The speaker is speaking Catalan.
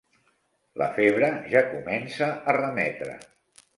La febre ja comença a remetre.